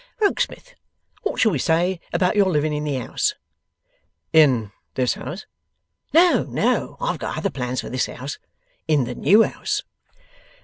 Rokesmith, what shall we say about your living in the house?' 'In this house?' 'No, no. I have got other plans for this house. In the new house?